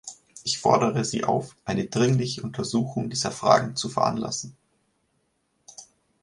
Ich fordere Sie auf, eine dringliche Untersuchung dieser Fragen zu veranlassen.